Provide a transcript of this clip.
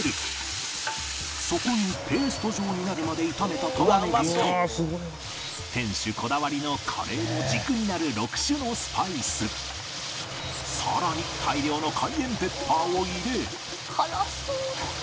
そこにペースト状になるまで炒めた玉ねぎと店主こだわりのカレーの軸になる６種のスパイスさらに大量のカイエンペッパーを入れ「辛そう」